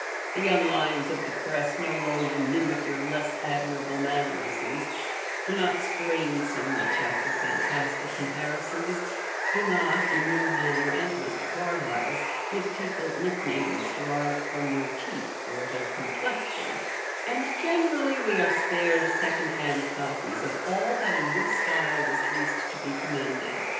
The young lions of the Press no longer mimic your less admirable mannerisms do not strain so much after fantastic comparisons, do not (in your manner and Mr. Carlyle's) give people nick names derived from their teeth, or their complexion; and, generally, we are spared second hand copies of all that in your style was least to be commended.